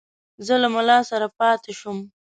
زه له مُلا سره پاته شوم.